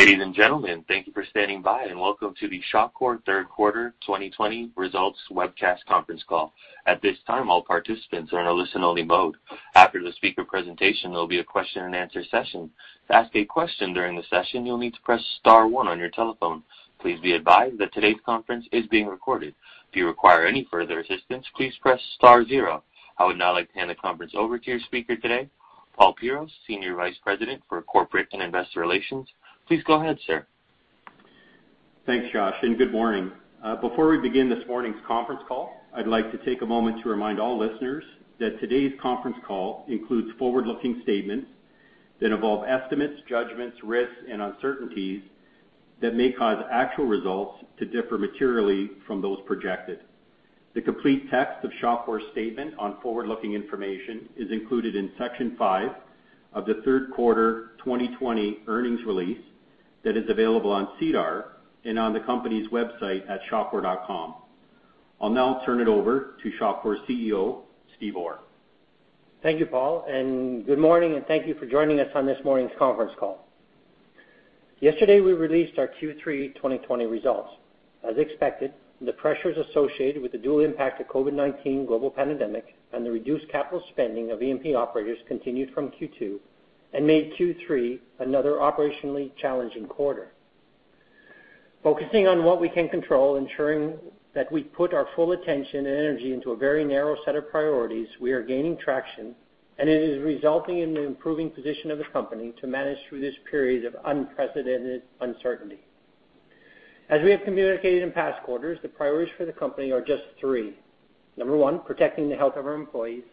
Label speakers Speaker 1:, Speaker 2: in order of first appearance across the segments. Speaker 1: Ladies and gentlemen, thank you for standing by, and welcome to the Shawcor Third Quarter 2020 Results Webcast Conference Call. At this time, all participants are in a listen-only mode. After the speaker presentation, there will be a question-and-answer session. To ask a question during the session, you'll need to press star one on your telephone. Please be advised that today's conference is being recorded. If you require any further assistance, please press star zero. I would now like to hand the conference over to your speaker today, Paul Pierroz, Senior Vice President for Corporate and Investor Relations. Please go ahead, sir.
Speaker 2: Thanks, Josh, and good morning. Before we begin this morning's conference call, I'd like to take a moment to remind all listeners that today's conference call includes forward-looking statements that involve estimates, judgments, risks, and uncertainties that may cause actual results to differ materially from those projected. The complete text of Shawcor's statement on forward-looking information is included in Section Five of the third quarter 2020 earnings release that is available on SEDAR and on the company's website at shawcor.com. I'll now turn it over to Shawcor's CEO, Steve Orr.
Speaker 3: Thank you, Paul, and good morning, and thank you for joining us on this morning's conference call. Yesterday, we released our Q3 2020 results. As expected, the pressures associated with the dual impact of COVID-19 global pandemic and the reduced capital spending of E&P operators continued from Q2 and made Q3 another operationally challenging quarter. Focusing on what we can control, ensuring that we put our full attention and energy into a very narrow set of priorities, we are gaining traction, and it is resulting in the improving position of the company to manage through this period of unprecedented uncertainty. As we have communicated in past quarters, the priorities for the company are just three: number 1, protecting the health of our employees;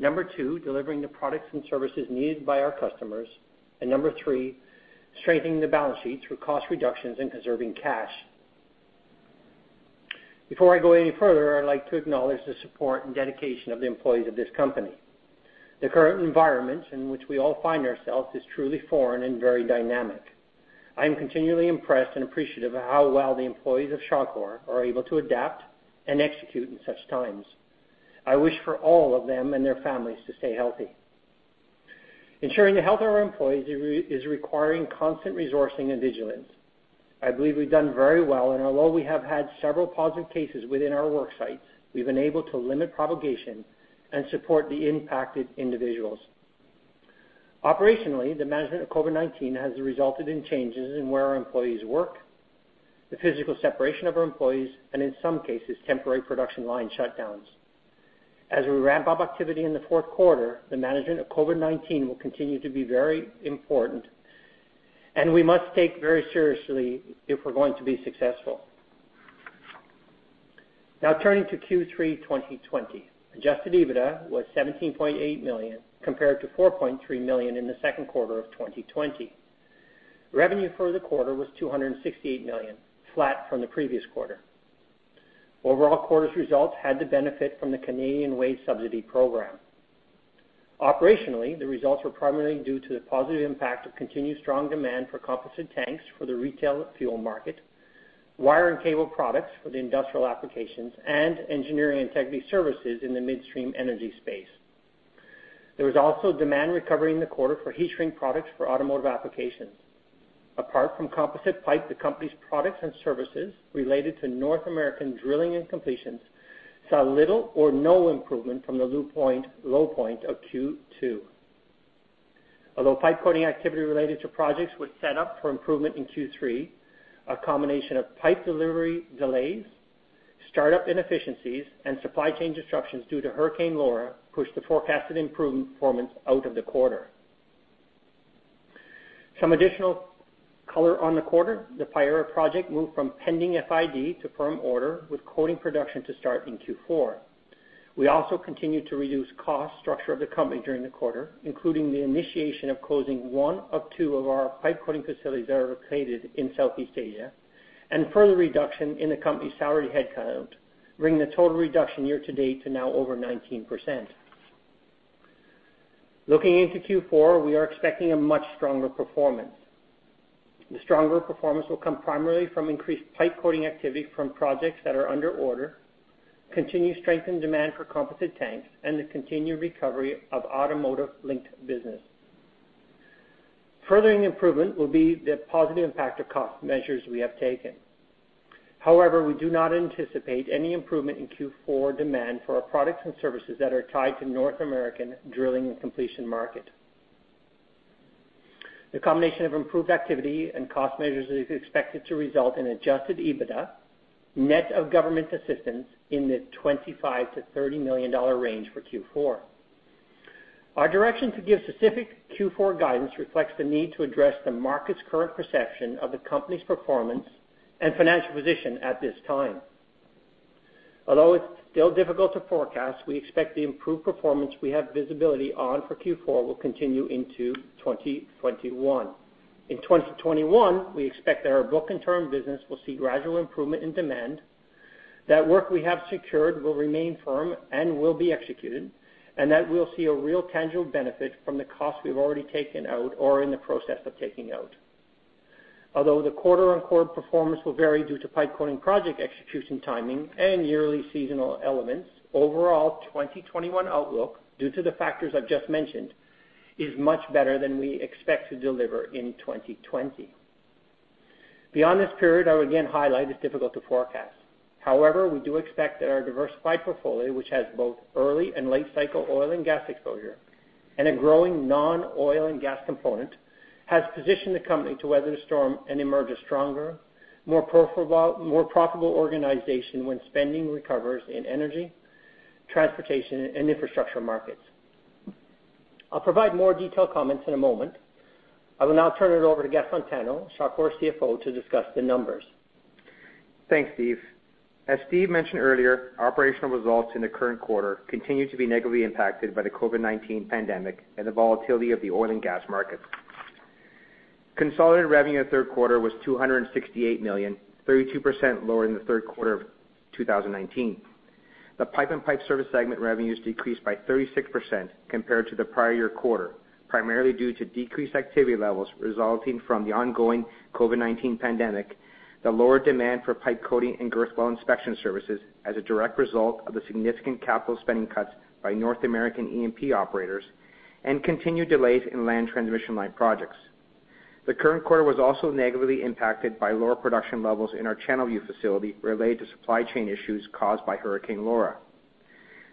Speaker 3: number 2, delivering the products and services needed by our customers; and number 3, strengthening the balance sheet through cost reductions and conserving cash. Before I go any further, I'd like to acknowledge the support and dedication of the employees of this company. The current environment in which we all find ourselves is truly foreign and very dynamic. I am continually impressed and appreciative of how well the employees of Shawcor are able to adapt and execute in such times. I wish for all of them and their families to stay healthy. Ensuring the health of our employees is requiring constant resourcing and vigilance. I believe we've done very well, and although we have had several positive cases within our work sites, we've been able to limit propagation and support the impacted individuals. Operationally, the management of COVID-19 has resulted in changes in where our employees work, the physical separation of our employees, and in some cases, temporary production line shutdowns. As we ramp up activity in the fourth quarter, the management of COVID-19 will continue to be very important, and we must take very seriously if we're going to be successful. Now, turning to Q3 2020. Adjusted EBITDA was 17.8 million, compared to 4.3 million in the second quarter of 2020. Revenue for the quarter was 268 million, flat from the previous quarter. Overall, quarter's results had the benefit from the Canadian wage subsidy program. Operationally, the results were primarily due to the positive impact of continued strong demand for composite tanks for the retail fuel market, wire and cable products for the industrial applications, and engineering integrity services in the midstream energy space. There was also demand recovery in the quarter for heat shrink products for automotive applications. Apart from composite pipe, the company's products and services related to North American drilling and completions saw little or no improvement from the low point of Q2. Although pipe coating activity related to projects was set up for improvement in Q3, a combination of pipe delivery delays, startup inefficiencies, and supply chain disruptions due to Hurricane Laura pushed the forecasted improvement performance out of the quarter. Some additional color on the quarter. The Payara project moved from pending FID to firm order, with coating production to start in Q4. We also continued to reduce cost structure of the company during the quarter, including the initiation of closing one of two of our pipe coating facilities that are located in Southeast Asia, and further reduction in the company's salary headcount, bringing the total reduction year to date to now over 19%. Looking into Q4, we are expecting a much stronger performance. The stronger performance will come primarily from increased pipe coating activity from projects that are under order, continued strengthened demand for composite tanks, and the continued recovery of automotive-linked business. Furthering improvement will be the positive impact of cost measures we have taken. However, we do not anticipate any improvement in Q4 demand for our products and services that are tied to North American drilling and completions market. The combination of improved activity and cost measures is expected to result in adjusted EBITDA, net of government assistance, in the $25 million to $30 million dollar range for Q4. Our direction to give specific Q4 guidance reflects the need to address the market's current perception of the company's performance and financial position at this time. Although it's still difficult to forecast, we expect the improved performance we have visibility on for Q4 will continue into 2021. In 2021, we expect that our book and turn business will see gradual improvement in demand, that work we have secured will remain firm and will be executed, and that we'll see a real tangible benefit from the cost we've already taken out or in the process of taking out. Although the quarter-on-quarter performance will vary due to pipe coating project execution timing and yearly seasonal elements, overall, 2021 outlook, due to the factors I've just mentioned, is much better than we expect to deliver in 2020. Beyond this period, I would again highlight, it's difficult to forecast. However, we do expect that our diversified portfolio, which has both early and late cycle oil and gas exposure and a growing non-oil and gas component, has positioned the company to weather the storm and emerge a stronger, more profitable, more profitable organization when spending recovers in energy, transportation, and infrastructure markets. I'll provide more detailed comments in a moment. I will now turn it over to Gaston Tano, Shawcor's CFO, to discuss the numbers.
Speaker 4: Thanks, Steve. As Steve mentioned earlier, operational results in the current quarter continue to be negatively impacted by the COVID-19 pandemic and the volatility of the oil and gas markets. Consolidated revenue in the third quarter was 268 million, 32% lower than the third quarter of 2019. The pipe and pipe service segment revenues decreased by 36% compared to the prior year quarter, primarily due to decreased activity levels resulting from the ongoing COVID-19 pandemic, the lower demand for pipe coating and girth weld inspection services as a direct result of the significant capital spending cuts by North American E&P operators, and continued delays in land transmission line projects. The current quarter was also negatively impacted by lower production levels in our Channelview facility related to supply chain issues caused by Hurricane Laura.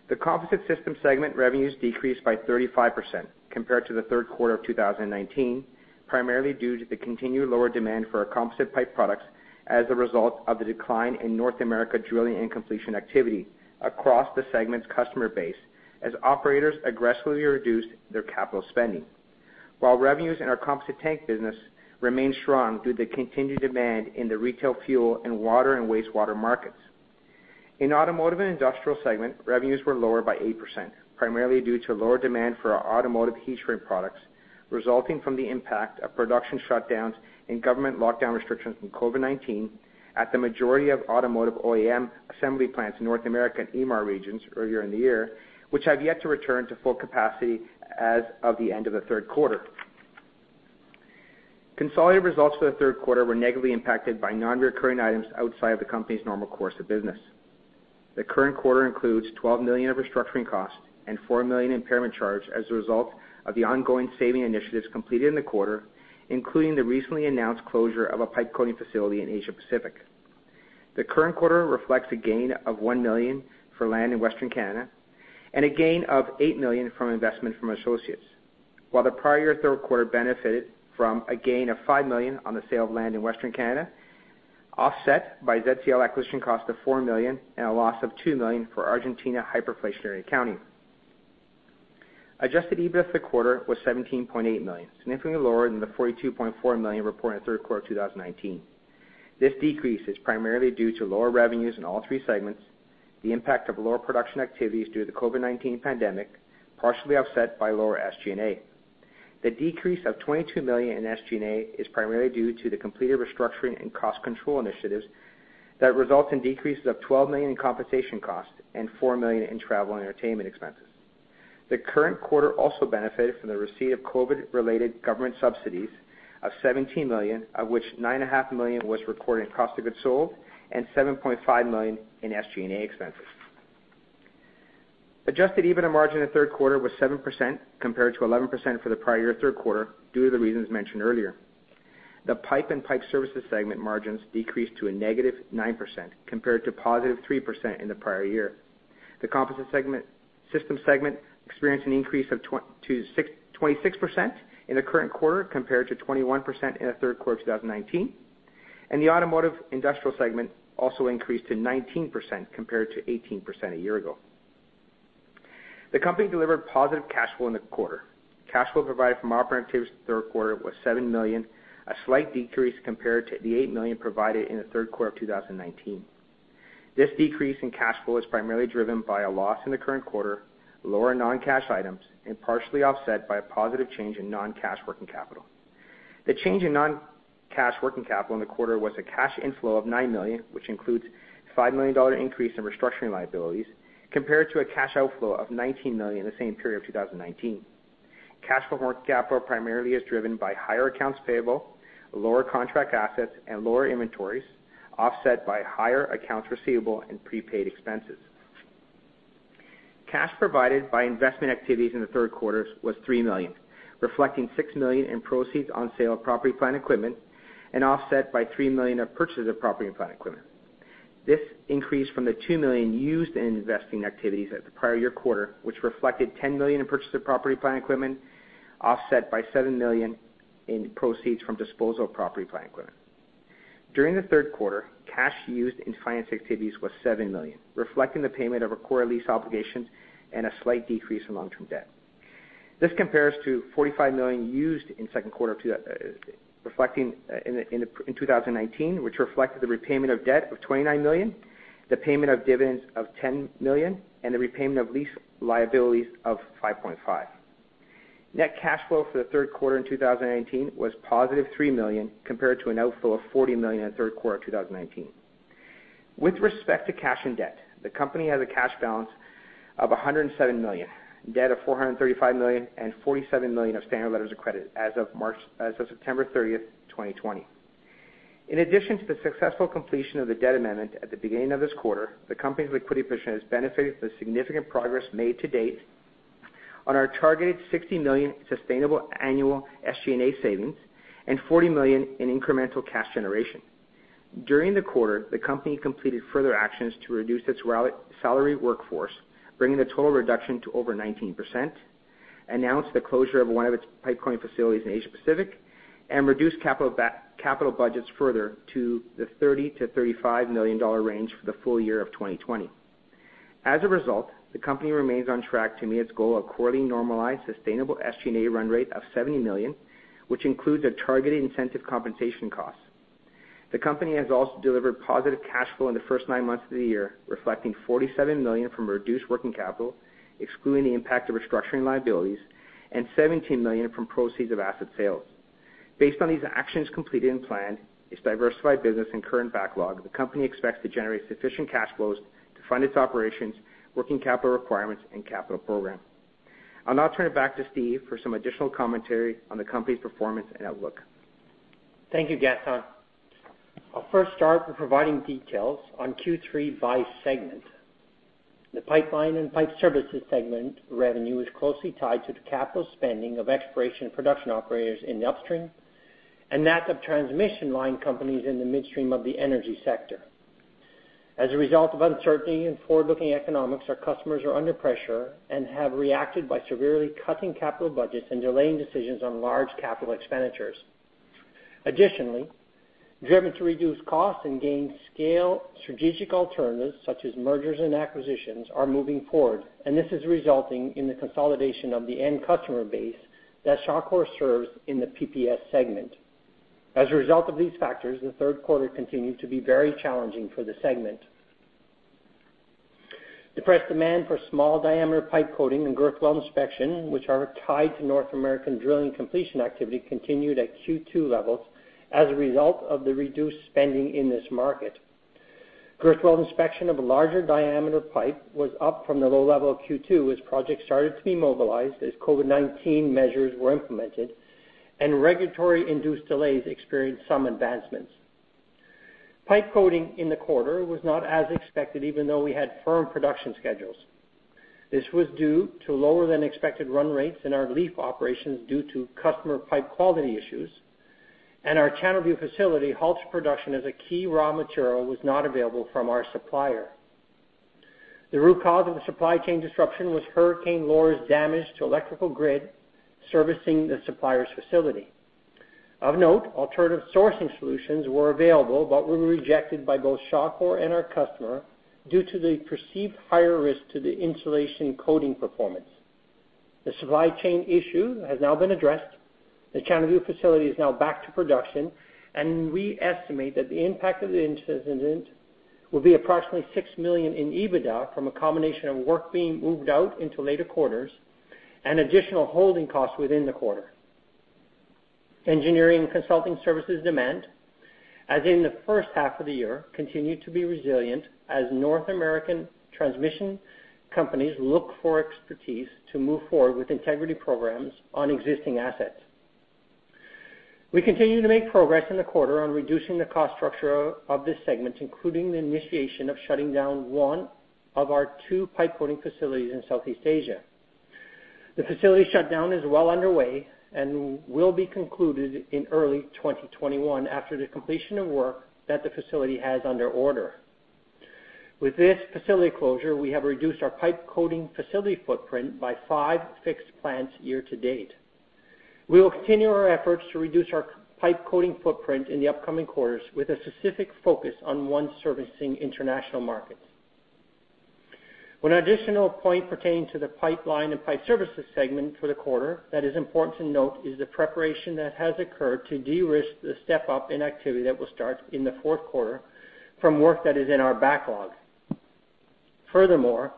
Speaker 4: The composite system segment revenues decreased by 35% compared to the third quarter of 2019, primarily due to the continued lower demand for our composite pipe products as a result of the decline in North America drilling and completion activity across the segment's customer base, as operators aggressively reduced their capital spending. While revenues in our composite tank business remained strong due to continued demand in the retail fuel and water and wastewater markets. In automotive and industrial segment, revenues were lower by 8%, primarily due to lower demand for our automotive heat shrink products, resulting from the impact of production shutdowns and government lockdown restrictions from COVID-19 at the majority of automotive OEM assembly plants in North America and EMAR regions earlier in the year, which have yet to return to full capacity as of the end of the third quarter. Consolidated results for the third quarter were negatively impacted by non-recurring items outside of the company's normal course of business. The current quarter includes 12 million of restructuring costs and 4 million impairment charge as a result of the ongoing savings initiatives completed in the quarter, including the recently announced closure of a pipe coating facility in Asia Pacific. The current quarter reflects a gain of 1 million for land in Western Canada and a gain of 8 million from investment from associates, while the prior third quarter benefited from a gain of 5 million on the sale of land in Western Canada, offset by ZCL acquisition cost of 4 million and a loss of 2 million for Argentina hyperinflationary accounting. Adjusted EBITDA for the quarter was 17.8 million, significantly lower than the 42.4 million reported in the third quarter of 2019. This decrease is primarily due to lower revenues in all three segments, the impact of lower production activities due to the COVID-19 pandemic, partially offset by lower SG&A. The decrease of 22 million in SG&A is primarily due to the completed restructuring and cost control initiatives that result in decreases of 12 million in compensation costs and 4 million in travel and entertainment expenses. The current quarter also benefited from the receipt of COVID-related government subsidies of 17 million, of which 9.5 million was recorded in cost of goods sold and 7.5 million in SG&A expenses. Adjusted EBITDA margin in the third quarter was 7%, compared to 11% for the prior year third quarter, due to the reasons mentioned earlier. The pipe and pipe services segment margins decreased to a -9%, compared to 3% in the prior year. The composite systems segment experienced an increase of 26% in the current quarter, compared to 21% in the third quarter of 2019, and the automotive industrial segment also increased to 19%, compared to 18% a year ago. The company delivered positive cash flow in the quarter. Cash flow provided from operating activities in the third quarter was 7 million, a slight decrease compared to the 8 million provided in the third quarter of 2019. This decrease in cash flow is primarily driven by a loss in the current quarter, lower non-cash items, and partially offset by a positive change in non-cash working capital. The change in non-cash working capital in the quarter was a cash inflow of 9 million, which includes 5 million dollar increase in restructuring liabilities, compared to a cash outflow of 19 million in the same period of 2019. Cash flow working capital primarily is driven by higher accounts payable, lower contract assets, and lower inventories, offset by higher accounts receivable and prepaid expenses. Cash provided by investment activities in the third quarter was 3 million, reflecting 6 million in proceeds on sale of property, plant, and equipment, and offset by 3 million of purchase of property and plant equipment. This increased from the 2 million used in investing activities at the prior year quarter, which reflected 10 million in purchase of property, plant, and equipment, offset by 7 million in proceeds from disposal of property, plant, and equipment. During the third quarter, cash used in finance activities was 7 million, reflecting the payment of required lease obligations and a slight decrease in long-term debt. This compares to 45 million used in the second quarter of 2019, which reflected the repayment of debt of 29 million, the payment of dividends of 10 million, and the repayment of lease liabilities of 5.5 million. Net cash flow for the third quarter in 2019 was positive 3 million, compared to an outflow of 40 million in the third quarter of 2019. With respect to cash and debt, the company has a cash balance of 107 million, debt of 435 million, and 47 million of standard letters of credit as of September 30, 2020. In addition to the successful completion of the debt amendment at the beginning of this quarter, the company's liquidity position has benefited from the significant progress made to date on our targeted 60 million sustainable annual SG&A savings and 40 million in incremental cash generation. During the quarter, the company completed further actions to reduce its salary workforce, bringing the total reduction to over 19%, announced the closure of one of its pipe coating facilities in Asia Pacific, and reduced capital budgets further to the 30 million-35 million dollar range for the full year of 2020. As a result, the company remains on track to meet its goal of quarterly normalized sustainable SG&A run rate of 70 million, which includes a targeted incentive compensation cost. The company has also delivered positive cash flow in the first nine months of the year, reflecting 47 million from reduced working capital, excluding the impact of restructuring liabilities, and 17 million from proceeds of asset sales. Based on these actions completed and planned, its diversified business and current backlog, the company expects to generate sufficient cash flows to fund its operations, working capital requirements, and capital program. I'll now turn it back to Steve for some additional commentary on the company's performance and outlook.
Speaker 3: Thank you, Gaston. I'll first start with providing details on Q3 by segment. The pipeline and pipe services segment revenue is closely tied to the capital spending of exploration production operators in the upstream, and that of transmission line companies in the midstream of the energy sector. As a result of uncertainty in forward-looking economics, our customers are under pressure and have reacted by severely cutting capital budgets and delaying decisions on large capital expenditures. Additionally, driven to reduce costs and gain scale, strategic alternatives, such as mergers and acquisitions, are moving forward, and this is resulting in the consolidation of the end customer base that Shawcor serves in the PPS segment. As a result of these factors, the third quarter continued to be very challenging for the segment. Depressed demand for small-diameter pipe coating and girth weld inspection, which are tied to North American drilling completion activity, continued at Q2 levels as a result of the reduced spending in this market. Girth weld inspection of larger diameter pipe was up from the low level of Q2 as projects started to be mobilized, as COVID-19 measures were implemented and regulatory-induced delays experienced some advancements. Pipe coating in the quarter was not as expected, even though we had firm production schedules. This was due to lower-than-expected run rates in our Leith operations due to customer pipe quality issues, and our Channelview facility halts production as a key raw material was not available from our supplier. The root cause of the supply chain disruption was Hurricane Laura's damage to electrical grid servicing the supplier's facility. Of note, alternative sourcing solutions were available, but were rejected by both Shawcor and our customer due to the perceived higher risk to the insulation coating performance. The supply chain issue has now been addressed. The Channelview facility is now back to production, and we estimate that the impact of the incident will be approximately 6 million in EBITDA from a combination of work being moved out into later quarters and additional holding costs within the quarter. Engineering consulting services demand, as in the first half of the year, continued to be resilient as North American transmission companies look for expertise to move forward with integrity programs on existing assets. We continued to make progress in the quarter on reducing the cost structure of this segment, including the initiation of shutting down one of our two pipe coating facilities in Southeast Asia. The facility shutdown is well underway and will be concluded in early 2021, after the completion of work that the facility has under order. With this facility closure, we have reduced our pipe coating facility footprint by five fixed plants year to date. We will continue our efforts to reduce our pipe coating footprint in the upcoming quarters, with a specific focus on one servicing international markets. One additional point pertaining to the pipeline and pipe services segment for the quarter that is important to note, is the preparation that has occurred to de-risk the step-up in activity that will start in the fourth quarter from work that is in our backlog. Furthermore,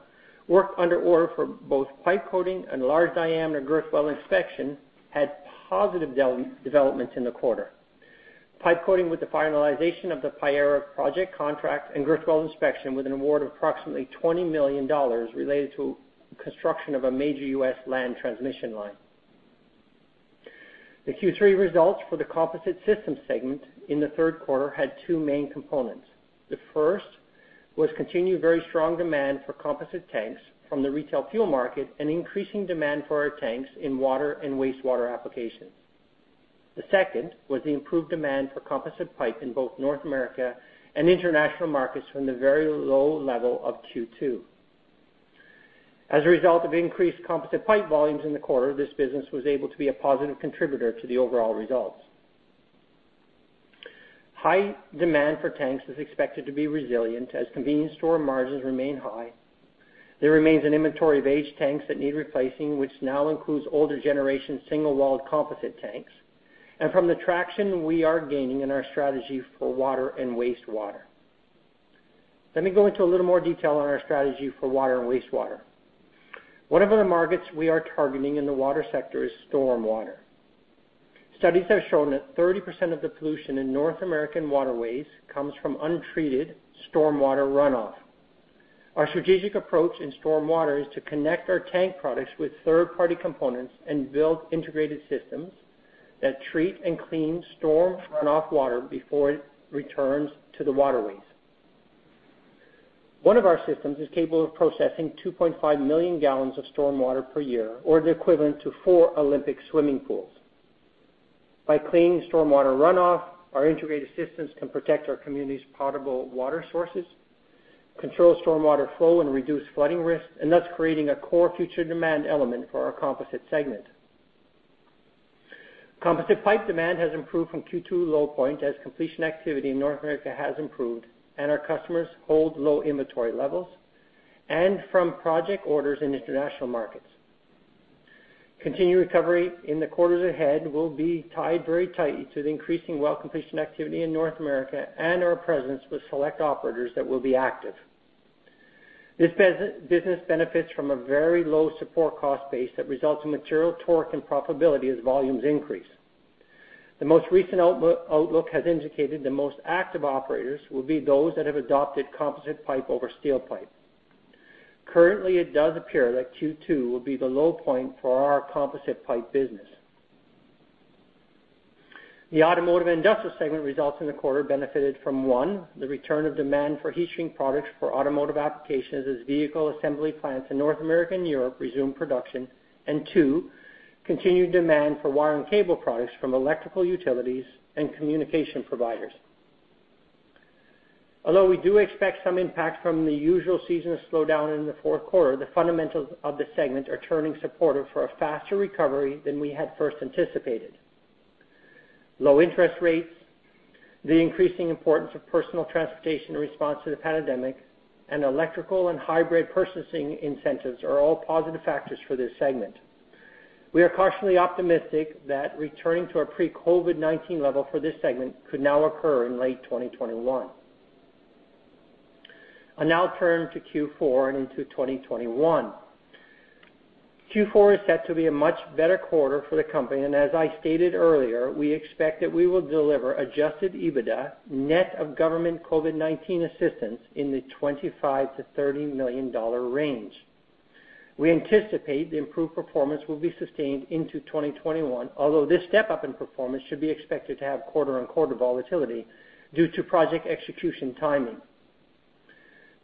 Speaker 3: work under order for both pipe coating and large-diameter girth weld inspection had positive developments in the quarter. Pipe coating with the finalization of the Payara project contract and girth weld inspection with an award of approximately $20 million related to construction of a major US land transmission line. The Q3 results for the composite systems segment in the third quarter had two main components. The first was continued very strong demand for composite tanks from the retail fuel market and increasing demand for our tanks in water and wastewater applications. The second was the improved demand for composite pipe in both North America and international markets from the very low level of Q2. As a result of increased composite pipe volumes in the quarter, this business was able to be a positive contributor to the overall results. High demand for tanks is expected to be resilient as convenience store margins remain high. There remains an inventory of aged tanks that need replacing, which now includes older generation single-walled composite tanks, and from the traction we are gaining in our strategy for water and wastewater. Let me go into a little more detail on our strategy for water and wastewater. One of the markets we are targeting in the water sector is stormwater. Studies have shown that 30% of the pollution in North American waterways comes from untreated stormwater runoff. Our strategic approach in stormwater is to connect our tank products with 3rd party components and build integrated systems that treat and clean storm runoff water before it returns to the waterways. One of our systems is capable of processing 2.5 million gallons of stormwater per year, or the equivalent to four Olympic swimming pools. By cleaning stormwater runoff, our integrated systems can protect our community's potable water sources, control stormwater flow, and reduce flooding risk, and thus creating a core future demand element for our composite segment. Composite pipe demand has improved from Q2 low point, as completion activity in North America has improved, and our customers hold low inventory levels, and from project orders in international markets. Continued recovery in the quarters ahead will be tied very tightly to the increasing well completion activity in North America and our presence with select operators that will be active. This business benefits from a very low support cost base that results in material torque and profitability as volumes increase. The most recent outlook has indicated the most active operators will be those that have adopted composite pipe over steel pipe. Currently, it does appear that Q2 will be the low point for our composite pipe business. The automotive and industrial segment results in the quarter benefited from, one, the return of demand for heat shrink products for automotive applications as vehicle assembly plants in North America and Europe resume production. And two, continued demand for wire and cable products from electrical utilities and communication providers. Although we do expect some impact from the usual seasonal slowdown in the fourth quarter, the fundamentals of the segment are turning supportive for a faster recovery than we had first anticipated. Low interest rates, the increasing importance of personal transportation in response to the pandemic, and electrical and hybrid purchasing incentives are all positive factors for this segment. We are cautiously optimistic that returning to our pre-COVID-19 level for this segment could now occur in late 2021. I'll now turn to Q4 and into 2021. Q4 is set to be a much better quarter for the company, and as I stated earlier, we expect that we will deliver Adjusted EBITDA net of government COVID-19 assistance in the 25 million-30 million dollar range. We anticipate the improved performance will be sustained into 2021, although this step-up in performance should be expected to have quarter-on-quarter volatility due to project execution timing.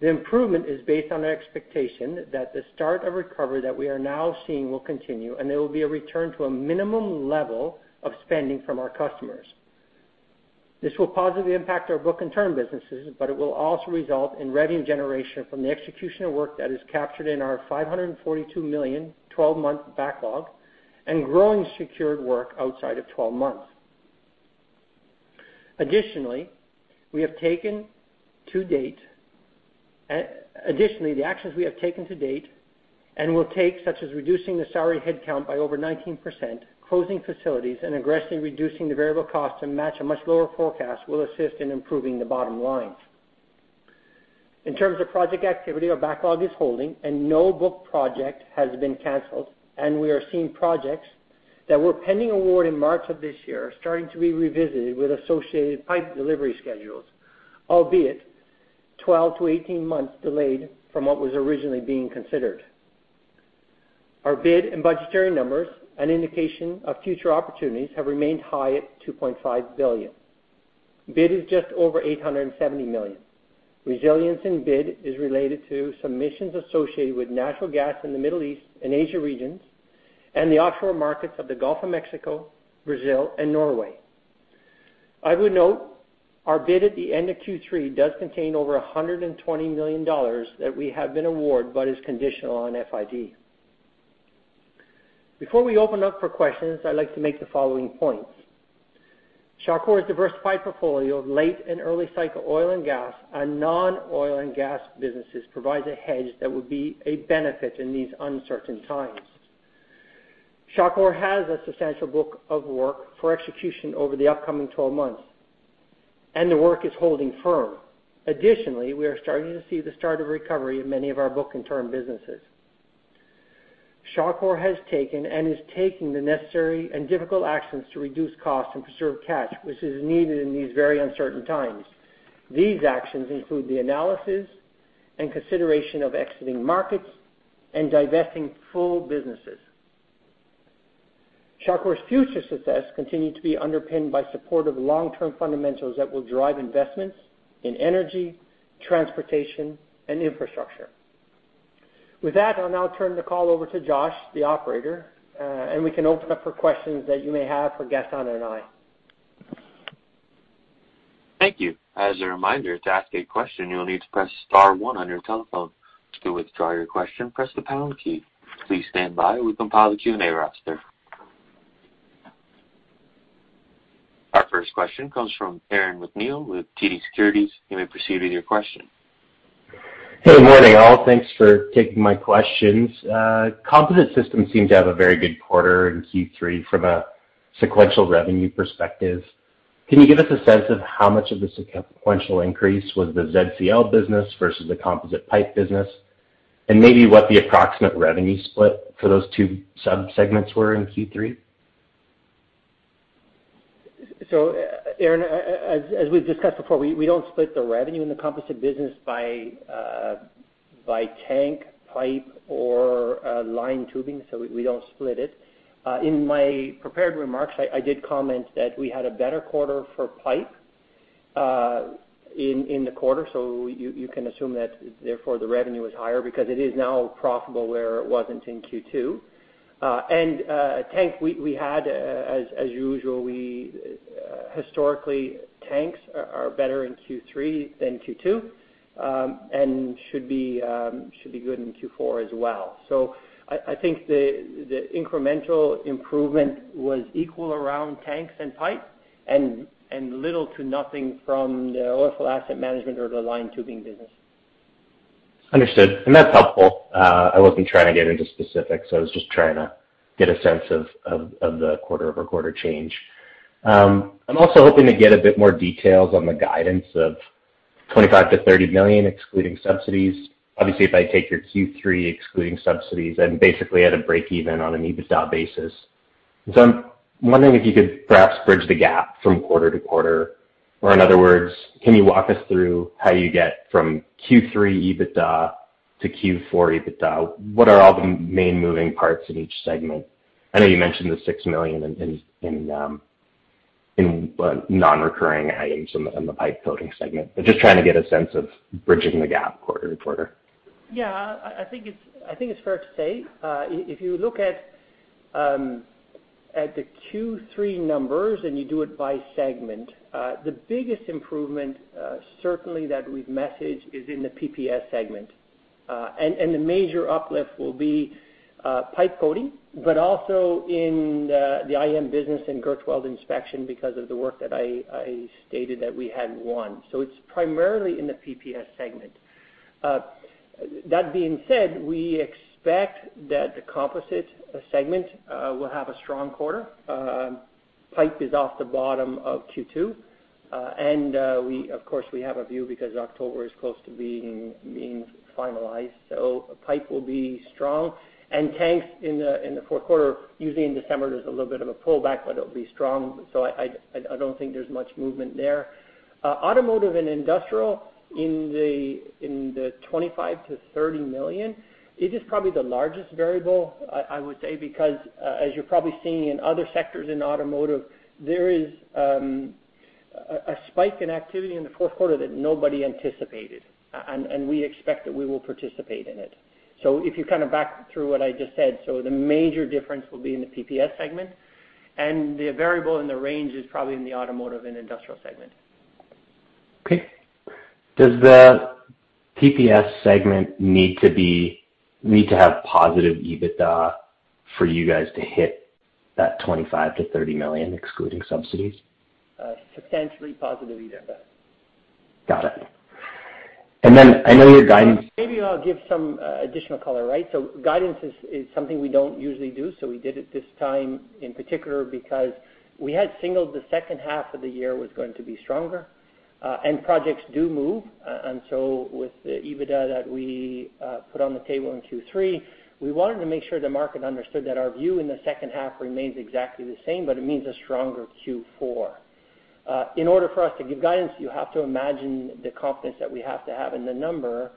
Speaker 3: The improvement is based on the expectation that the start of recovery that we are now seeing will continue, and there will be a return to a minimum level of spending from our customers. This will positively impact our book and term businesses, but it will also result in revenue generation from the execution of work that is captured in our 542 million 12-month backlog and growing secured work outside of 12 months. Additionally, the actions we have taken to date and will take, such as reducing the salary headcount by over 19%, closing facilities, and aggressively reducing the variable costs to match a much lower forecast, will assist in improving the bottom line. In terms of project activity, our backlog is holding, and no book project has been canceled, and we are seeing projects that were pending award in March of this year starting to be revisited with associated pipe delivery schedules, albeit 12 to 18 months delayed from what was originally being considered. Our bid and budgetary numbers, an indication of future opportunities, have remained high at $2.5 billion. Bid is just over $870 million. Resilience in bid is related to submissions associated with natural gas in the Middle East and Asia regions and the offshore markets of the Gulf of Mexico, Brazil, and Norway. I would note, our bid at the end of Q3 does contain over $120 million that we have been awarded, but is conditional on FID. Before we open up for questions, I'd like to make the following points. Shawcor's diversified portfolio of late and early cycle oil and gas and non-oil and gas businesses provides a hedge that would be a benefit in these uncertain times. Shawcor has a substantial book of work for execution over the upcoming 12 months, and the work is holding firm. Additionally, we are starting to see the start of recovery in many of our book and term businesses. Shawcor has taken and is taking the necessary and difficult actions to reduce costs and preserve cash, which is needed in these very uncertain times. These actions include the analysis and consideration of exiting markets and divesting full businesses. Shawcor's future success continues to be underpinned by supportive long-term fundamentals that will drive investments in energy, transportation, and infrastructure. With that, I'll now turn the call over to Josh, the operator, and we can open up for questions that you may have for Gaston and I.
Speaker 1: Thank you. As a reminder, to ask a question, you will need to press star one on your telephone. To withdraw your question, press the pound key. Please stand by while we compile the Q&A roster. Our first question comes from Aaron MacNeil with TD Securities. You may proceed with your question.
Speaker 5: Hey, good morning, all. Thanks for taking my questions. Composite Systems seemed to have a very good quarter in Q3 from a sequential revenue perspective. Can you give us a sense of how much of the sequential increase was the ZCL business versus the composite pipe business? And maybe what the approximate revenue split for those two sub-segments were in Q3?
Speaker 3: So, Aaron, as we've discussed before, we don't split the revenue in the composite business by tank, pipe, or lined tubing, so we don't split it. In my prepared remarks, I did comment that we had a better quarter for pipe in the quarter, so you can assume that therefore, the revenue is higher because it is now profitable where it wasn't in Q2. And tank, we had, as usual, historically, tanks are better in Q3 than Q2, and should be good in Q4 as well. So I think the incremental improvement was equal around tanks and pipe, and little to nothing from the oilfield asset management or the lined tubing business.
Speaker 5: Understood, and that's helpful. I wasn't trying to get into specifics. I was just trying to get a sense of the quarter-over-quarter change. I'm also hoping to get a bit more details on the guidance of 25 million-30 million, excluding subsidies. Obviously, if I take your Q3 excluding subsidies and basically at a break-even on an EBITDA basis. So I'm wondering if you could perhaps bridge the gap from quarter to quarter, or in other words, can you walk us through how you get from Q3 EBITDA to Q4 EBITDA? What are all the main moving parts in each segment? I know you mentioned the 6 million in non-recurring items in the pipe coating segment. But just trying to get a sense of bridging the gap quarter-to-quarter.
Speaker 3: Yeah. I think it's fair to say, if you look at the Q3 numbers and you do it by segment, the biggest improvement certainly that we've messaged is in the PPS segment. And the major uplift will be pipe coating, but also in the IM business and Girth Weld Inspection because of the work that I stated that we had won. So it's primarily in the PPS segment. That being said, we expect that the composite segment will have a strong quarter. Pipe is off the bottom of Q2. And we, of course, have a view because October is close to being finalized. So pipe will be strong, and tanks in the fourth quarter, usually in December, there's a little bit of a pullback, but it'll be strong, so I don't think there's much movement there. Automotive and industrial in the 25 million-30 million, it is probably the largest variable, I would say, because as you're probably seeing in other sectors in automotive, there is a spike in activity in the fourth quarter that nobody anticipated, and we expect that we will participate in it. So if you kind of back through what I just said, so the major difference will be in the PPS segment, and the variable in the range is probably in the automotive and industrial segment.
Speaker 5: Okay. Does the PPS segment need to have positive EBITDA for you guys to hit that 25 to 30 million, excluding subsidies?
Speaker 3: Substantially positive EBITDA.
Speaker 5: Got it. And then I know your guidance-
Speaker 3: Maybe I'll give some additional color, right? So guidance is something we don't usually do, so we did it this time in particular because we had signaled the second half of the year was going to be stronger, and projects do move. And so with the EBITDA that we put on the table in Q3, we wanted to make sure the market understood that our view in the second half remains exactly the same, but it means a stronger Q4. In order for us to give guidance, you have to imagine the confidence that we have to have in the number,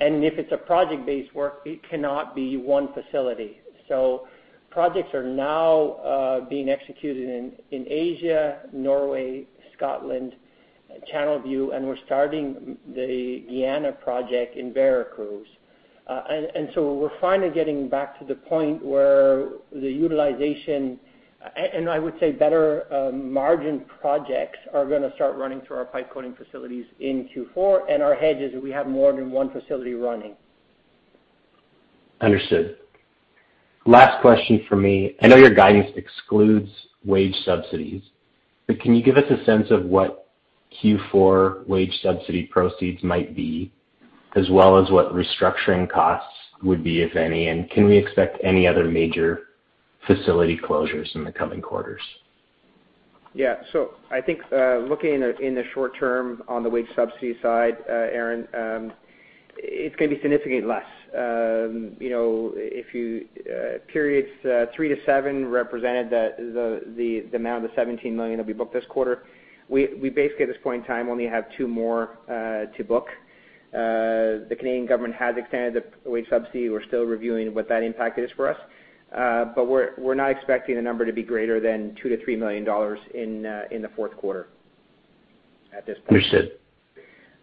Speaker 3: and if it's a project-based work, it cannot be one facility. So projects are now being executed in Asia, Norway, Scotland, Channelview, and we're starting the Guyana project in Veracruz. And so we're finally getting back to the point where the utilization, and I would say better margin projects are gonna start running through our pipe coating facilities in Q4, and our hedge is that we have more than one facility running.
Speaker 5: Understood. Last question for me. I know your guidance excludes wage subsidies, but can you give us a sense of what Q4 wage subsidy proceeds might be, as well as what restructuring costs would be, if any? And can we expect any other major facility closures in the coming quarters?
Speaker 3: Yeah. So I think, looking in the short term on the wage subsidy side, Aaron, it's gonna be significantly less. You know, if you, periods 3 to 7 represented that the amount of the 17 million will be booked this quarter, we basically, at this point in time, only have two more to book. The Canadian government has extended the wage subsidy. We're still reviewing what that impact is for us. But we're not expecting the number to be greater than 2 million-3 million dollars in the fourth quarter at this point.
Speaker 5: Understood.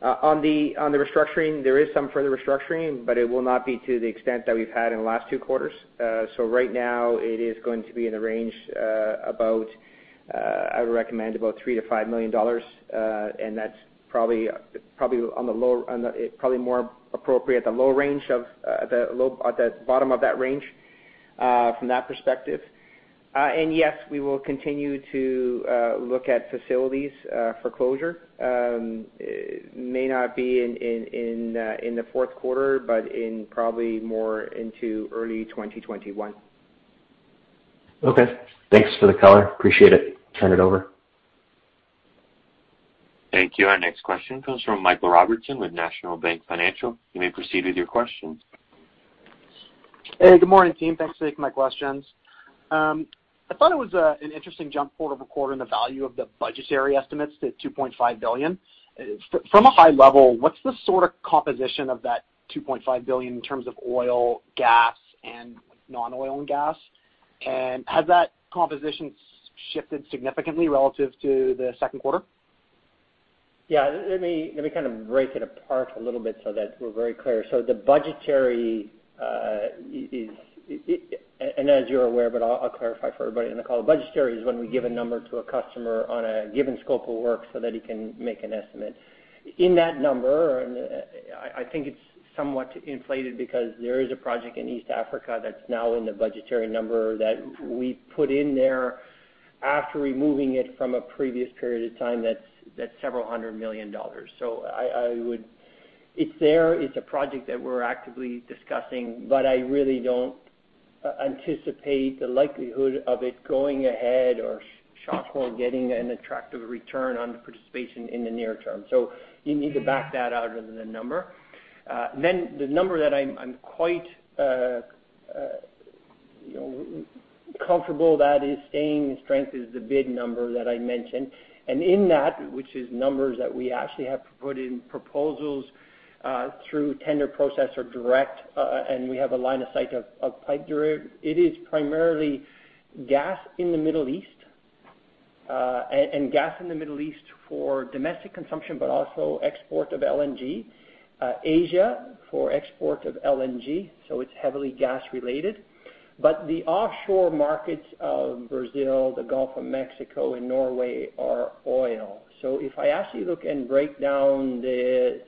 Speaker 3: On the restructuring, there is some further restructuring, but it will not be to the extent that we've had in the last two quarters. So right now, it is going to be in the range about, I would recommend about 3 million-5 million dollars, and that's probably, probably on the low-- on the, probably more appropriate, the low range of, the low, at the bottom of that range, from that perspective. And yes, we will continue to look at facilities for closure. May not be in the fourth quarter, but in probably more into early 2021.
Speaker 5: Okay. Thanks for the color. Appreciate it. Turn it over.
Speaker 1: Thank you. Our next question comes from Michael Robertson with National Bank Financial. You may proceed with your question.
Speaker 6: Hey, good morning, team. Thanks for taking my questions. I thought it was an interesting jump quarter-over-quarter in the value of the budgetary estimates to 2.5 billion. From a high level, what's the sort of composition of that 2.5 billion in terms of oil, gas, and non-oil and gas? And has that composition shifted significantly relative to the second quarter?
Speaker 3: Yeah, let me kind of break it apart a little bit so that we're very clear. So the budgetary is, and as you're aware, but I'll clarify for everybody in the call, budgetary is when we give a number to a customer on a given scope of work so that he can make an estimate. In that number, I think it's somewhat inflated because there is a project in East Africa that's now in the budgetary number that we put in there after removing it from a previous period of time, that's several hundred million dollars. So I would... It's there, it's a project that we're actively discussing, but I really don't anticipate the likelihood of it going ahead or Shawcor getting an attractive return on participation in the near term. So you need to back that out of the number. Then the number that I'm quite, you know, comfortable that is staying strength is the bid number that I mentioned. And in that, which is numbers that we actually have put in proposals through tender process or direct, and we have a line of sight of pipe direct. It is primarily gas in the Middle East and gas in the Middle East for domestic consumption, but also export of LNG. Asia, for export of LNG, so it's heavily gas related. But the offshore markets of Brazil, the Gulf of Mexico and Norway are oil. So if I actually look and break down the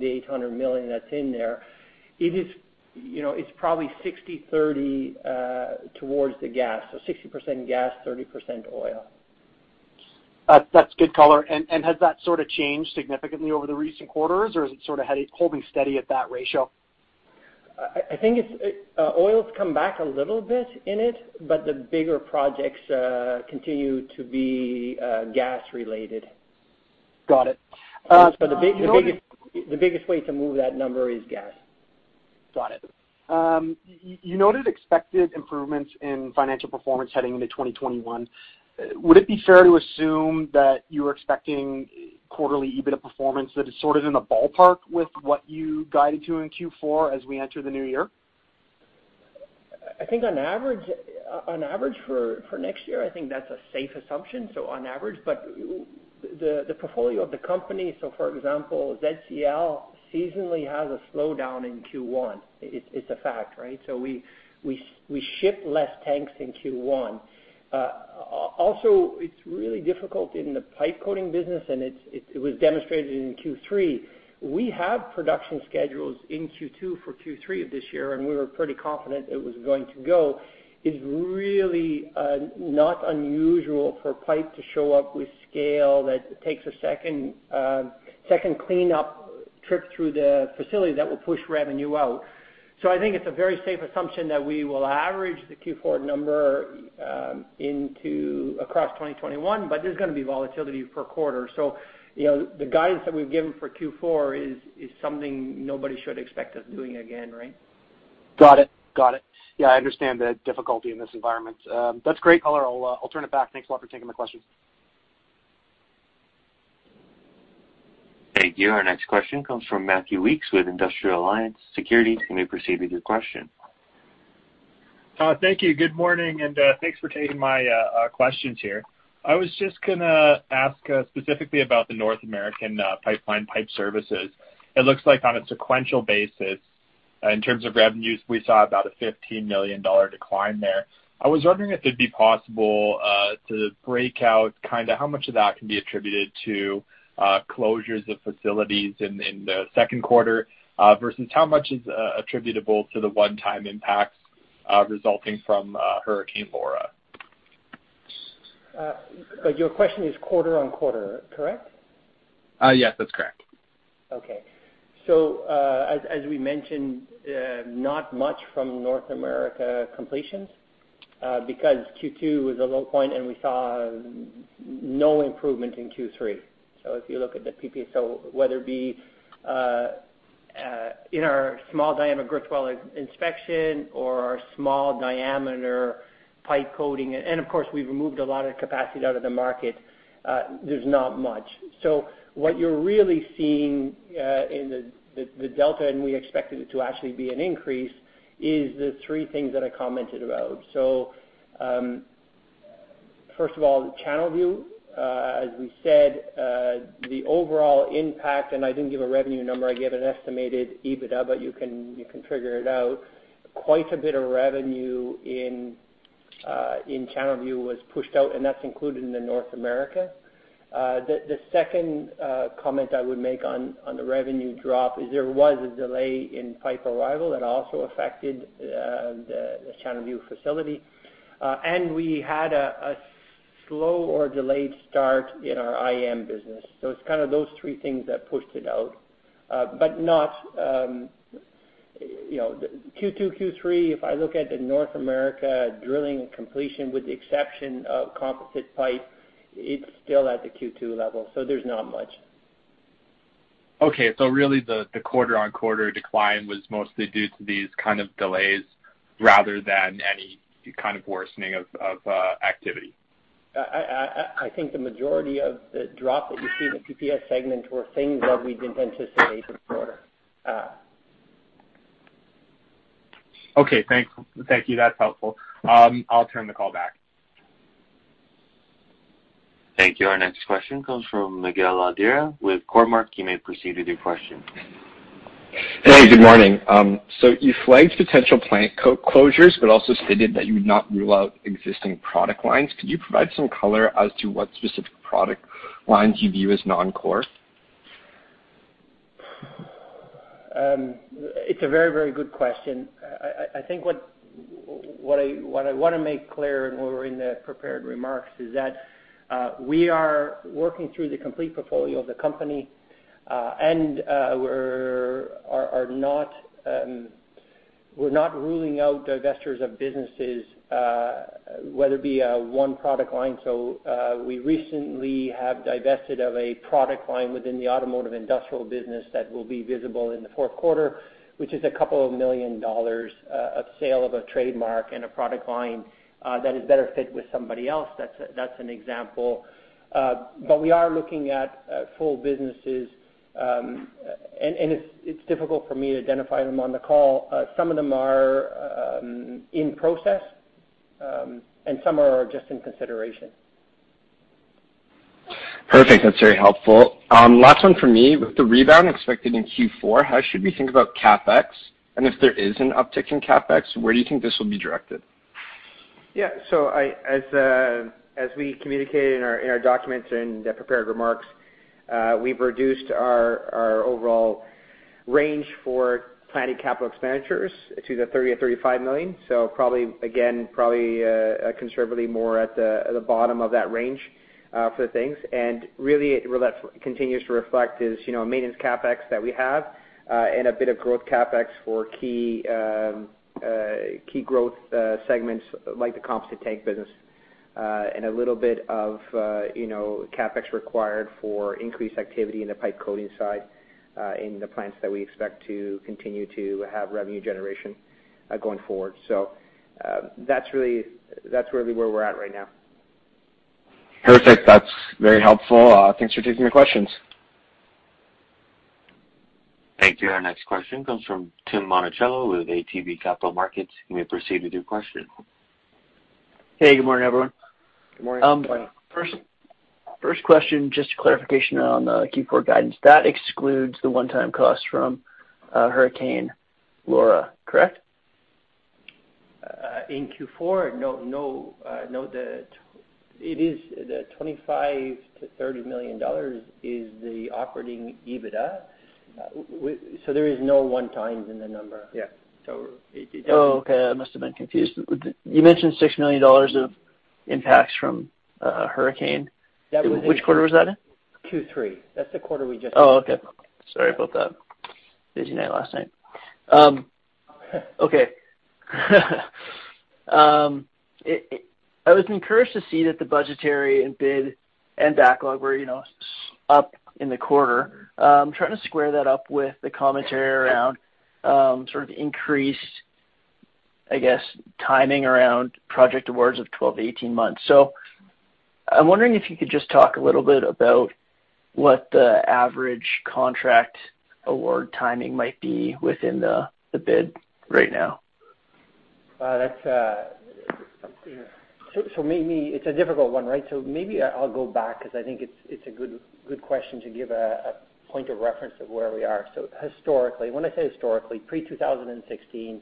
Speaker 3: 800 million that's in there, it is, you know, it's probably 60/30 towards the gas. So 60% gas, 30% oil.
Speaker 6: That's good color. And has that sort of changed significantly over the recent quarters, or is it sort of holding steady at that ratio?
Speaker 3: I think it's oil's come back a little bit in it, but the bigger projects continue to be gas related.
Speaker 6: Got it.
Speaker 3: So the biggest way to move that number is gas.
Speaker 6: Got it. You noted expected improvements in financial performance heading into 2021. Would it be fair to assume that you are expecting quarterly EBITDA performance that is sort of in the ballpark with what you guided to in Q4 as we enter the new year?
Speaker 3: I think on average for next year, I think that's a safe assumption, so on average. But the portfolio of the company, so for example, ZCL seasonally has a slowdown in Q1. It's a fact, right? So we ship less tanks in Q1. Also, it's really difficult in the pipe coating business, and it was demonstrated in Q3. We have production schedules in Q2 for Q3 of this year, and we were pretty confident it was going to go. It's really not unusual for pipe to show up with scale that takes a second cleanup trip through the facility that will push revenue out. So I think it's a very safe assumption that we will average the Q4 number into across 2021, but there's gonna be volatility per quarter. So, you know, the guidance that we've given for Q4 is something nobody should expect us doing again, right?
Speaker 6: Got it. Got it. Yeah, I understand the difficulty in this environment. That's great color. I'll, I'll turn it back. Thanks a lot for taking my questions.
Speaker 1: Thank you. Our next question comes from Matthew Weekes with Industrial Alliance Securities. You may proceed with your question.
Speaker 7: Thank you. Good morning, and thanks for taking my questions here. I was just gonna ask specifically about the North American pipeline pipe services. It looks like on a sequential basis in terms of revenues, we saw about a $15 million decline there. I was wondering if it'd be possible to break out kind of how much of that can be attributed to closures of facilities in the second quarter versus how much is attributable to the one-time impact resulting from Hurricane Laura?
Speaker 3: But your question is quarter-on-quarter, correct?
Speaker 7: Yes, that's correct.
Speaker 3: Okay. So, as we mentioned, not much from North America completions, because Q2 was a low point, and we saw no improvement in Q3. So if you look at the PPS, so whether it be in our small diameter girth weld inspection or our small diameter pipe coating, and of course, we've removed a lot of capacity out of the market, there's not much. So what you're really seeing in the delta, and we expected it to actually be an increase, is the three things that I commented about. So, first of all, the Channelview. As we said, the overall impact, and I didn't give a revenue number, I gave an estimated EBITDA, but you can figure it out. Quite a bit of revenue in Channelview was pushed out, and that's included in North America. The second comment I would make on the revenue drop is there was a delay in pipe arrival that also affected the Channelview facility. And we had a slow or delayed start in our IM business. So it's kind of those three things that pushed it out, but not, you know, the Q2, Q3, if I look at the North America drilling and completions, with the exception of composite pipe, it's still at the Q2 level, so there's not much.
Speaker 7: Okay. So really, the quarter-on-quarter decline was mostly due to these kind of delays rather than any kind of worsening of activity?
Speaker 3: I think the majority of the drop that you see in the PPS segment were things that we didn't anticipate before.
Speaker 7: Okay, thanks. Thank you. That's helpful. I'll turn the call back.
Speaker 1: Thank you. Our next question comes from Miguel Ladeira with Cormark. You may proceed with your question.
Speaker 8: Hey, good morning. So you flagged potential plant closures, but also stated that you would not rule out existing product lines. Could you provide some color as to what specific product lines you view as non-core?
Speaker 3: It's a very, very good question. I think what I wanna make clear when we're in the prepared remarks is that we are working through the complete portfolio of the company, and we're not ruling out divestitures of businesses, whether it be one product line. So, we recently have divested of a product line within the automotive industrial business that will be visible in the fourth quarter, which is 2 million dollars of sale of a trademark and a product line that is better fit with somebody else. That's an example. But we are looking at full businesses, and it's difficult for me to identify them on the call. Some of them are in process, and some are just in consideration.
Speaker 8: Perfect, that's very helpful. Last one for me. With the rebound expected in Q4, how should we think about CapEx? And if there is an uptick in CapEx, where do you think this will be directed?
Speaker 3: Yeah. So as we communicated in our documents and the prepared remarks, we've reduced our overall range for planning capital expenditures to 30 million-35 million. So probably, again, conservatively more at the bottom of that range, for the things. And really, what that continues to reflect is, you know, a maintenance CapEx that we have, and a bit of growth CapEx for key growth segments like the composite tank business, and a little bit of, you know, CapEx required for increased activity in the pipe coating side, in the plants that we expect to continue to have revenue generation, going forward. So, that's really where we're at right now.
Speaker 8: Perfect. That's very helpful. Thanks for taking the questions.
Speaker 1: Thank you. Our next question comes from Tim Monachello with ATB Capital Markets. You may proceed with your question.
Speaker 9: Hey, good morning, everyone.
Speaker 3: Good morning.
Speaker 9: First question, just a clarification on the Q4 guidance. That excludes the 1 time cost from Hurricane Laura, correct?
Speaker 3: In Q4, the 25 million to 30 million dollars is the operating EBITDA. So there is no 1 time in the number. So it, it-
Speaker 9: Oh, okay. I must have been confused. You mentioned $6 million of impacts from a hurricane.
Speaker 3: That was-
Speaker 9: Which quarter was that in?
Speaker 3: Q3. That's the quarter we just-
Speaker 9: Oh, okay. Sorry about that. Busy night last night. Okay. I was encouraged to see that the budgetary and bid and backlog were, you know, up in the quarter. Trying to square that up with the commentary around sort of increased, I guess, timing around project awards of 12 to 18 months. So I'm wondering if you could just talk a little bit about what the average contract award timing might be within the bid right now?
Speaker 3: So maybe it's a difficult one, right? So maybe I'll go back because I think it's a good question to give a point of reference of where we are. So historically, when I say historically, pre-2016,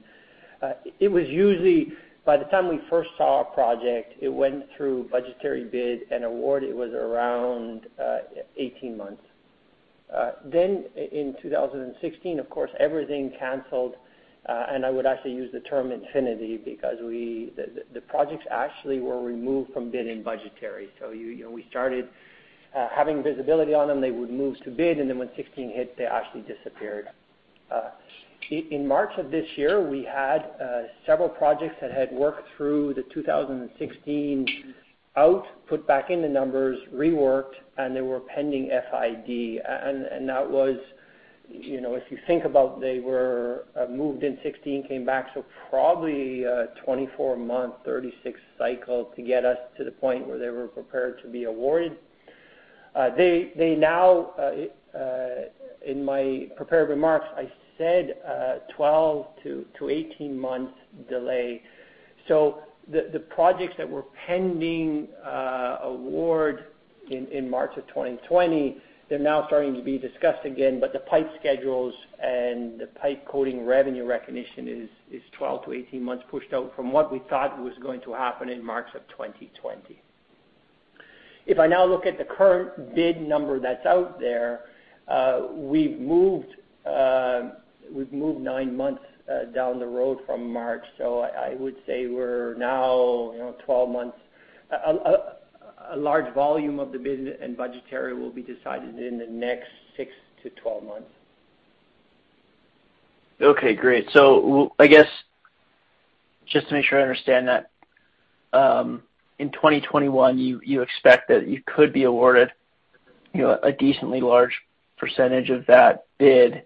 Speaker 3: it was usually by the time we first saw a project, it went through budgetary bid and award, it was around 18 months. Then in 2016, of course, everything canceled, and I would actually use the term infinity, because the projects actually were removed from bidding budgetary. So you know, we started having visibility on them, they would move to bid, and then when 2016 hit, they actually disappeared. In March of this year, we had several projects that had worked through the 2016 outlook, put back in the numbers, reworked, and they were pending FID. And that was, you know, if you think about, they were moved in 2016, came back, so probably a 24 to 36 month cycle to get us to the point where they were prepared to be awarded. They now, in my prepared remarks, I said 12 to 18 months delay. So the projects that were pending award in March of 2020, they're now starting to be discussed again, but the pipe schedules and the pipe coating revenue recognition is 12 to 18 months pushed out from what we thought was going to happen in March of 2020. If I now look at the current bid number that's out there, we've moved, we've moved 9 months down the road from March, so I, I would say we're now, you know, 12 months, a large volume of the bid and budgetary will be decided in the next 6 to 12 months.
Speaker 9: Okay, great. So, I guess, just to make sure I understand that, in 2021, you expect that you could be awarded, you know, a decently large percentage of that bid,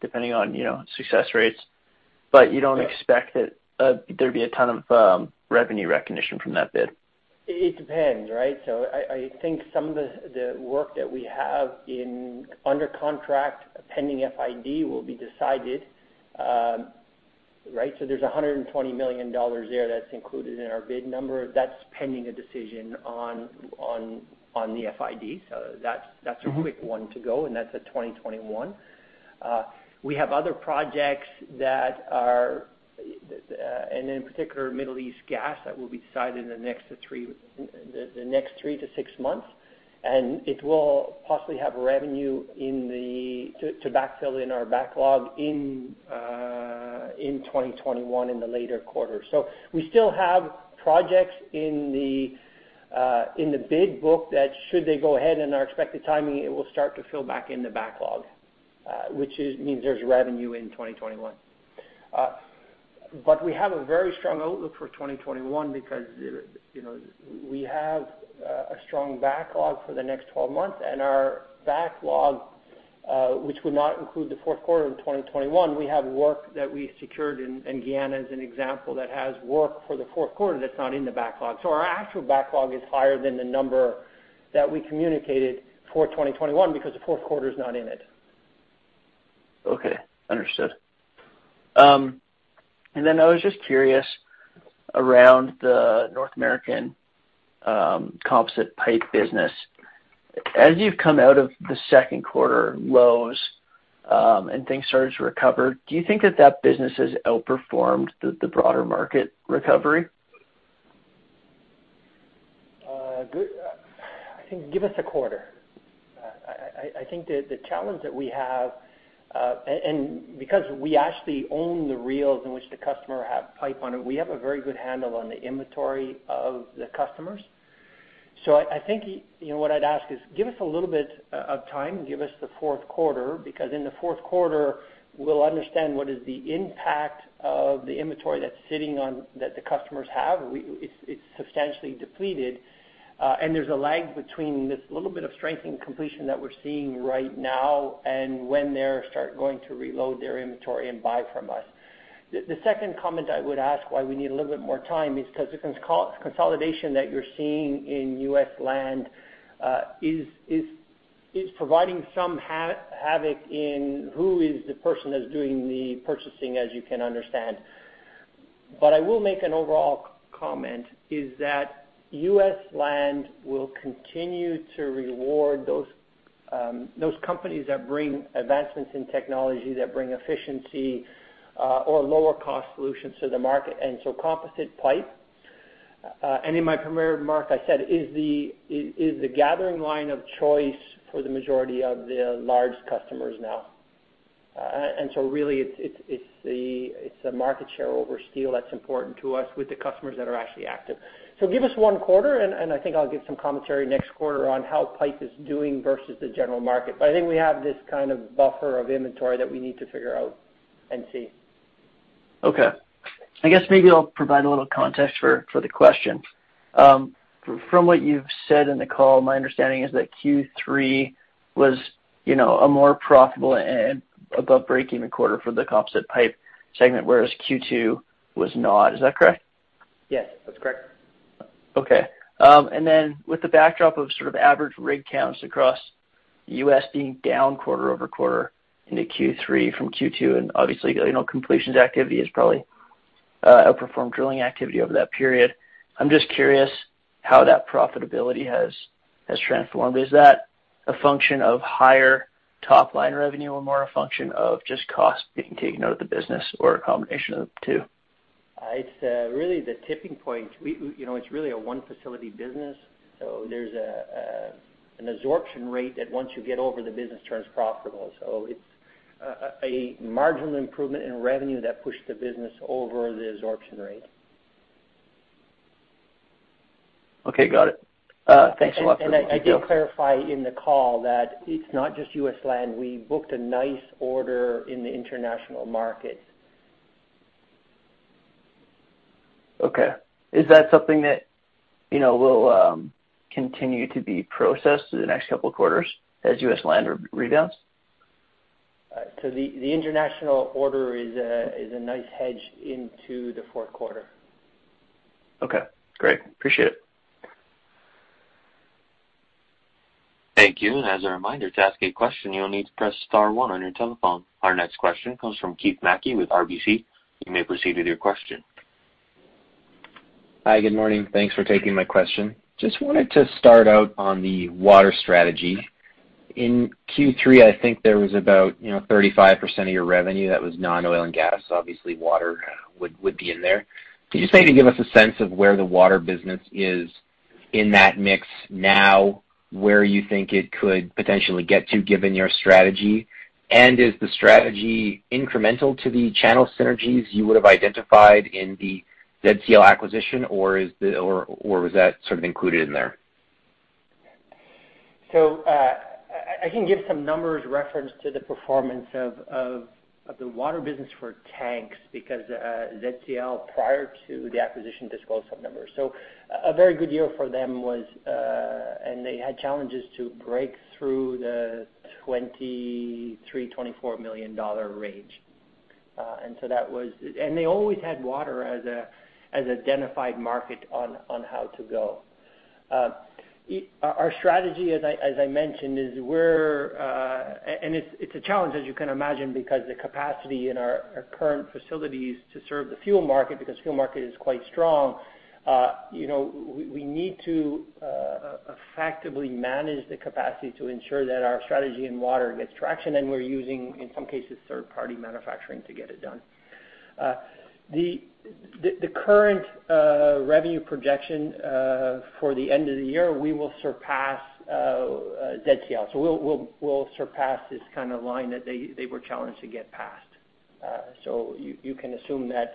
Speaker 9: depending on, you know, success rates.
Speaker 3: Yeah.
Speaker 9: You don't expect that there'd be a ton of revenue recognition from that bid?
Speaker 3: It depends, right? So I think some of the work that we have in under contract, pending FID, will be decided, right? So there's $120 million there that's included in our bid number. That's pending a decision on the FID. So that's-
Speaker 9: Mm-hmm...
Speaker 3: that's a quick one to go, and that's a 2021. We have other projects that are, and in particular, Middle East gas, that will be decided in the next 2 to 3, the next 3 to 6 months. And it will possibly have revenue in 2020 to backfill in our backlog in 2021, in the later quarters. So we still have projects in the bid book that should they go ahead in our expected timing, it will start to fill back in the backlog, which means there's revenue in 2021. But we have a very strong outlook for 2021 because, you know, we have a strong backlog for the next 12 months. Our backlog, which would not include the fourth quarter of 2021, we have work that we secured in, in Guyana, as an example, that has work for the fourth quarter that's not in the backlog. So our actual backlog is higher than the number that we communicated for 2021, because the fourth quarter's not in it.
Speaker 9: Okay. Understood. And then I was just curious around the North American composite pipe business. As you've come out of the second quarter lows, and things started to recover, do you think that that business has outperformed the broader market recovery?
Speaker 3: I think give us a quarter. I think the challenge that we have, and because we actually own the reels in which the customers have pipe on it, we have a very good handle on the inventory of the customers. So I think, you know, what I'd ask is, give us a little bit of time, give us the fourth quarter, because in the fourth quarter, we'll understand what is the impact of the inventory that's sitting on that the customers have. It's substantially depleted, and there's a lag between this little bit of strengthening completions that we're seeing right now and when they start going to reload their inventory and buy from us. The second comment I would ask, why we need a little bit more time, is 'cause the consolidation that you're seeing in US land is providing some havoc in who is the person that's doing the purchasing, as you can understand. But I will make an overall comment, is that US land will continue to reward those companies that bring advancements in technology, that bring efficiency, or lower cost solutions to the market. And so composite pipe, and in my prepared remark, I said, is the gathering line of choice for the majority of the large customers now. And so really, it's the market share over steel that's important to us, with the customers that are actually active. So give us one quarter, and, and I think I'll give some commentary next quarter on how pipe is doing versus the general market. But I think we have this kind of buffer of inventory that we need to figure out and see.
Speaker 9: Okay. I guess maybe I'll provide a little context for, for the question. From what you've said in the call, my understanding is that Q3 was, you know, a more profitable and above break-even quarter for the composite pipe segment, whereas Q2 was not. Is that correct?
Speaker 3: Yes, that's correct.
Speaker 9: Okay. And then with the backdrop of sort of average rig counts across the US being down quarter-over-quarter into Q3 from Q2, and obviously, you know, completions activity has probably outperformed drilling activity over that period. I'm just curious how that profitability has transformed. Is that a function of higher top-line revenue, or more a function of just costs being taken out of the business, or a combination of the two?
Speaker 3: It's really the tipping point. You know, it's really a one-facility business, so there's an absorption rate that once you get over, the business turns profitable. So it's a marginal improvement in revenue that pushed the business over the absorption rate.
Speaker 9: Okay, got it. Thanks a lot for-
Speaker 3: I did clarify in the call that it's not just US land. We booked a nice order in the international market.
Speaker 9: Okay. Is that something that, you know, will continue to be processed through the next couple of quarters as US land rebounds?
Speaker 3: So the international order is a nice hedge into the fourth quarter.
Speaker 9: Okay, great. Appreciate it.
Speaker 1: Thank you. As a reminder, to ask a question, you'll need to press star one on your telephone. Our next question comes from Keith Mackey with RBC. You may proceed with your question.
Speaker 10: Hi, good morning. Thanks for taking my question. Just wanted to start out on the water strategy. In Q3, I think there was about, you know, 35% of your revenue that was non-oil and gas. Obviously, water would, would be in there. Could you just maybe give us a sense of where the water business is in that mix now, where you think it could potentially get to, given your strategy? And is the strategy incremental to the channel synergies you would have identified in the ZCL acquisition, or is the, or, or was that sort of included in there?
Speaker 3: So, I can give some numbers reference to the performance of the water business for tanks, because ZCL, prior to the acquisition, disclosed some numbers. So a very good year for them was, and they had challenges to break through the 23 million dollar to 24 million range. And so that was. And they always had water as a identified market on how to go. Our strategy, as I mentioned, is we're. And it's a challenge, as you can imagine, because the capacity in our current facilities to serve the fuel market, because fuel market is quite strong. You know, we need to effectively manage the capacity to ensure that our strategy in water gets traction, and we're using, in some cases, 3rd party manufacturing to get it done. The current revenue projection for the end of the year, we will surpass ZCL. So we'll surpass this kind of line that they were challenged to get past. So you can assume that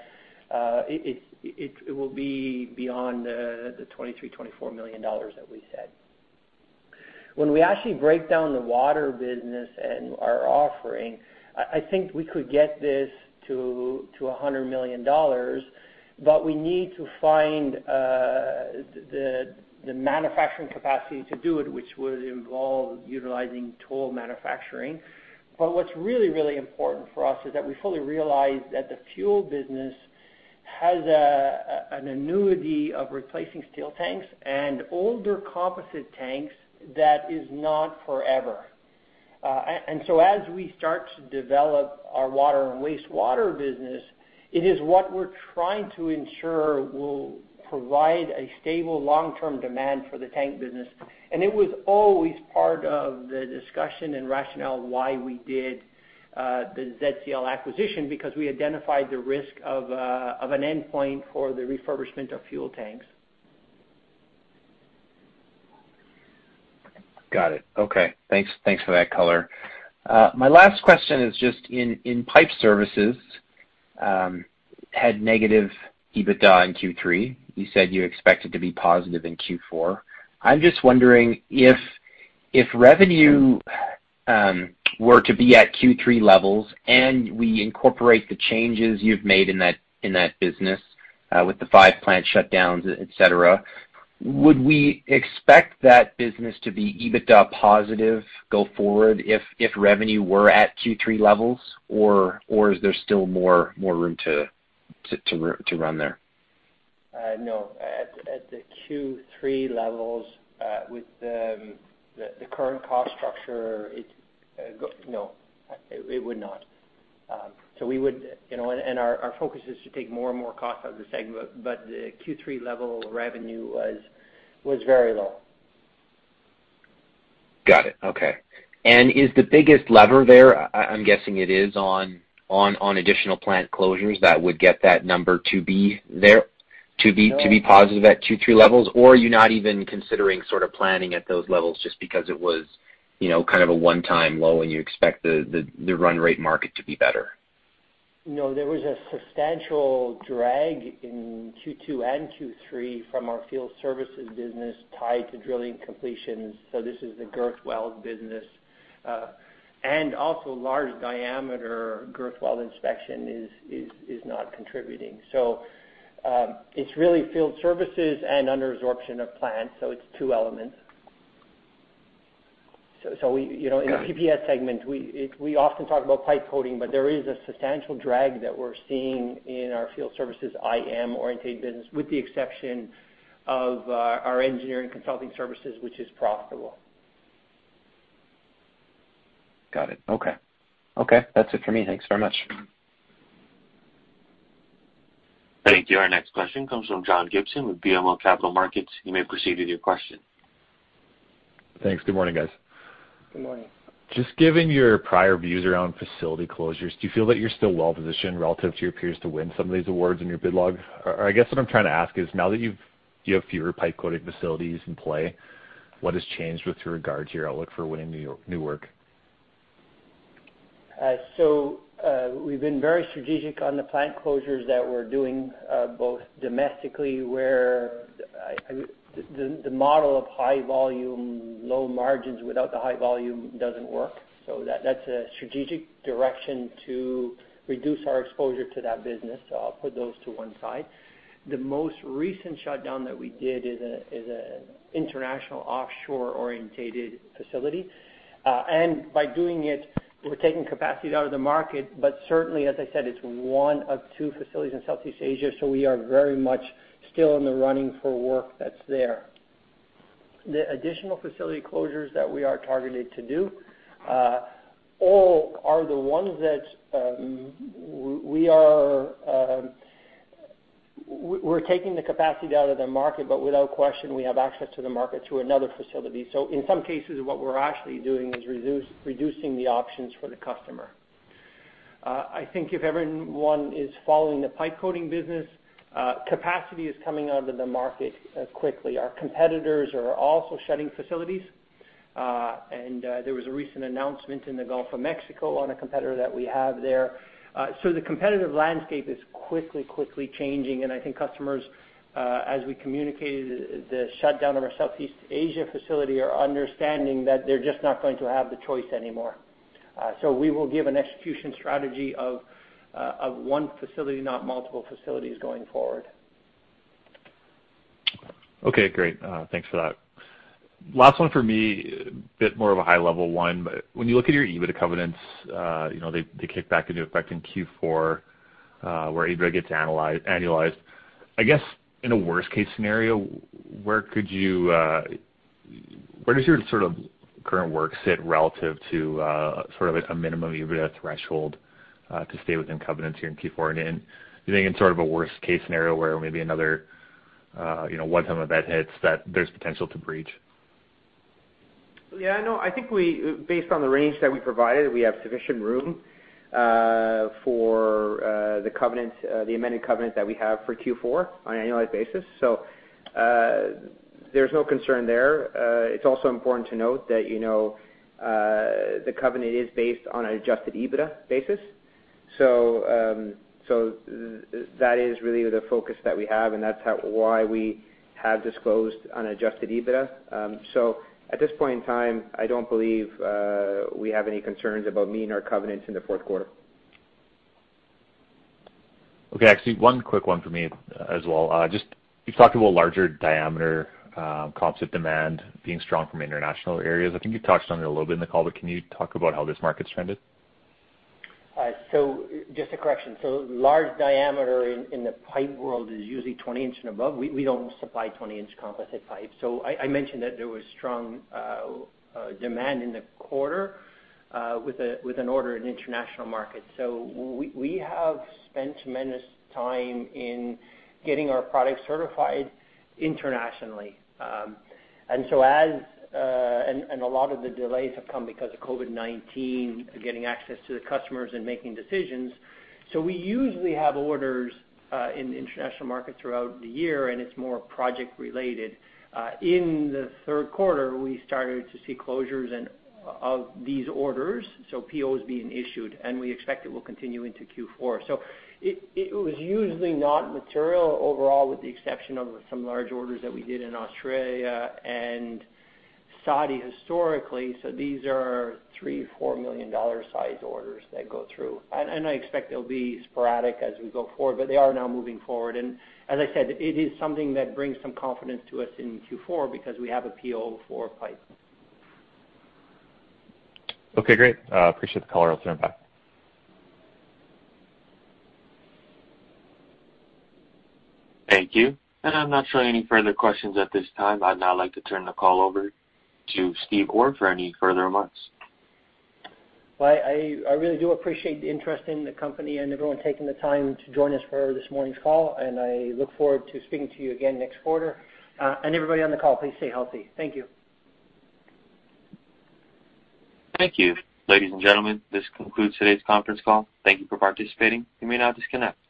Speaker 3: it will be beyond the 23 million to 24 million dollars that we said. When we actually break down the water business and our offering, I think we could get this to 100 million dollars, but we need to find the manufacturing capacity to do it, which would involve utilizing toll manufacturing. But what's really important for us is that we fully realize that the fuel business has an annuity of replacing steel tanks and older composite tanks that is not forever. And so as we start to develop our water and wastewater business, it is what we're trying to ensure will provide a stable, long-term demand for the tank business. And it was always part of the discussion and rationale why we did the ZCL acquisition, because we identified the risk of an endpoint for the refurbishment of fuel tanks.
Speaker 10: Got it. Okay. Thanks, thanks for that color. My last question is just in, in pipe services, had negative EBITDA in Q3. You said you expect it to be positive in Q4. I'm just wondering if, if revenue were to be at Q3 levels, and we incorporate the changes you've made in that, in that business, with the five plant shutdowns, et cetera, would we expect that business to be EBITDA positive go forward, if, if revenue were at Q3 levels, or, or is there still more, more room to run there?
Speaker 3: No. At the Q3 levels, with the current cost structure, No, it would not. So we would, you know, and our focus is to take more and more cost out of the segment, but the Q3 level revenue was very low.
Speaker 10: Is the biggest lever there, I'm guessing it is on additional plant closures that would get that number to be there, to be-
Speaker 3: No.
Speaker 10: to be positive at two, three levels, or are you not even considering sort of planning at those levels just because it was, you know, kind of a one-time low, and you expect the run rate market to be better?
Speaker 3: No, there was a substantial drag in Q2 and Q3 from our field services business tied to drilling completions, so this is the girth weld business. And also large diameter girth weld inspection is not contributing. So, it's really field services and under absorption of plants, so it's two elements. So, we, you know, in the PPS segment, we often talk about pipe coating, but there is a substantial drag that we're seeing in our field services, IM-orientated business, with the exception of our engineering consulting services, which is profitable.
Speaker 10: Got it. Okay. Okay, that's it for me. Thanks very much.
Speaker 1: Thank you. Our next question comes from John Gibson with BMO Capital Markets. You may proceed with your question.
Speaker 11: Thanks. Good morning, guys.
Speaker 3: Good morning.
Speaker 11: Just given your prior views around facility closures, do you feel that you're still well-positioned relative to your peers to win some of these awards in your bid log? Or I guess what I'm trying to ask is, now that you've—you have fewer pipe coating facilities in play, what has changed with regard to your outlook for winning new, new work?
Speaker 3: So, we've been very strategic on the plant closures that we're doing, both domestically, where the model of high volume, low margins without the high volume doesn't work. So that's a strategic direction to reduce our exposure to that business, so I'll put those to one side. The most recent shutdown that we did is an international offshore-oriented facility. And by doing it, we're taking capacity out of the market, but certainly, as I said, it's one of two facilities in Southeast Asia, so we are very much still in the running for work that's there. The additional facility closures that we are targeted to do, all are the ones that we're taking the capacity out of the market, but without question, we have access to the market through another facility. So in some cases, what we're actually doing is reducing the options for the customer. I think if everyone is following the pipe coating business, capacity is coming out of the market quickly. Our competitors are also shutting facilities. And there was a recent announcement in the Gulf of Mexico on a competitor that we have there. So the competitive landscape is quickly, quickly changing, and I think customers, as we communicated the shutdown of our Southeast Asia facility, are understanding that they're just not going to have the choice anymore. So we will give an execution strategy of one facility, not multiple facilities, going forward.
Speaker 11: Okay, great. Thanks for that. Last one for me, a bit more of a high-level one. But when you look at your EBITDA covenants, you know, they, they kick back into effect in Q4, where EBITDA gets annualized. I guess, in a worst case scenario, where could you, where does your sort of current work sit relative to, sort of a, a minimum EBITDA threshold, to stay within covenants here in Q4? And then, do you think in sort of a worst case scenario where maybe another, you know, one-time event hits, that there's potential to breach?
Speaker 3: Yeah, no, I think we based on the range that we provided, we have sufficient room for the covenants, the amended covenant that we have for Q4 on an annualized basis. So, there's no concern there. It's also important to note that, you know, the covenant is based on an adjusted EBITDA basis. So, so that is really the focus that we have, and that's how, why we have disclosed unadjusted EBITDA. So at this point in time, I don't believe we have any concerns about meeting our covenants in the fourth quarter.
Speaker 11: Okay, actually, one quick one for me as well. Just, you've talked about larger diameter composite demand being strong from international areas. I think you touched on it a little bit in the call, but can you talk about how this market's trended?
Speaker 3: So just a correction. So large diameter in the pipe world is usually 20-inch and above. We don't supply 20-inch composite pipes. So I mentioned that there was strong demand in the quarter with an order in international markets. So we have spent tremendous time in getting our products certified internationally. And a lot of the delays have come because of COVID-19, getting access to the customers and making decisions. So we usually have orders in the international market throughout the year, and it's more project related. In the third quarter, we started to see closures of these orders, so POs being issued, and we expect it will continue into Q4. So it was usually not material overall, with the exception of some large orders that we did in Australia and Saudi historically. So these are $3 to $4 million-sized orders that go through. And I expect they'll be sporadic as we go forward, but they are now moving forward. And as I said, it is something that brings some confidence to us in Q4 because we have a PO for pipe.
Speaker 11: Okay, great. Appreciate the color. I'll stand by.
Speaker 1: Thank you. I'm not showing any further questions at this time. I'd now like to turn the call over to Steve Orr for any further remarks.
Speaker 3: Well, I really do appreciate the interest in the company and everyone taking the time to join us for this morning's call, and I look forward to speaking to you again next quarter. And everybody on the call, please stay healthy. Thank you.
Speaker 1: Thank you. Ladies and gentlemen, this concludes today's conference call. Thank you for participating. You may now disconnect.